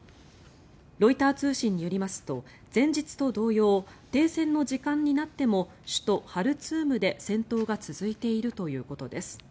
ロイター通信によりますと前日と同様停戦の時間になっても首都ハルツームで戦闘が続いているということです。